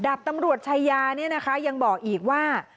ดาบตำรวจชัยยายังบอกอีกว่า